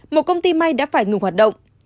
một công ty may đã phải ngừng hoạt động